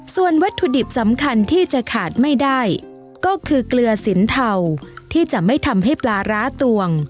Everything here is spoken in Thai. ส่วนวัตถุดิบสำคัญที่จะขาดไม่ได้ก็คือเกลือสินเทาที่จะไม่ทำให้ปลาร้าตวง